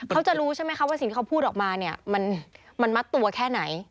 เขาจะรู้ใช่ไหมคะว่าสิ่งที่เขาพูดออกมาเนี่ยมันมัดตัวแค่ไหน